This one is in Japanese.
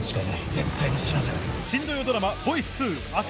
絶対に死なせない！